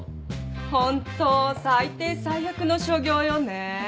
ホント最低最悪の所業よね。